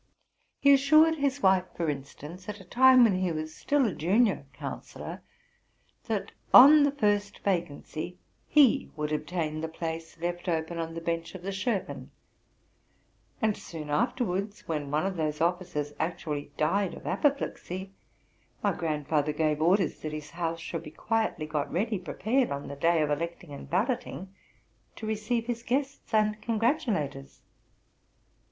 He assured his wife, for instance, at a time when he was still a junior councillor, that, on the first vacancy, he would obtain the place left open on the bench of the Schoffen; and soon afterwards, when one of those officers actually died of apo plexy, my grandfather gave orders that his house should be quietly got ready prepared on the day of electing and bal loting, to receive his guests and congratulators.